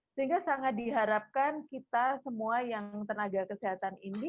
sehingga sangat diharapkan kita semua yang tenaga kesehatan ini